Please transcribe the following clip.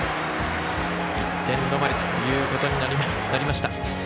１点止まりということになりました。